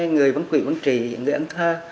người văn quỵ văn trì người ấn thơ